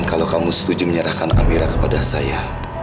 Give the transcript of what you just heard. kalau kamu setuju menyerahkan amira kepada saya